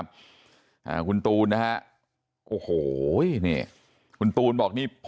นี่คุณตูนอายุ๓๗ปีนะครับ